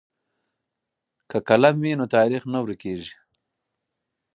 که قلم وي نو تاریخ نه ورکېږي.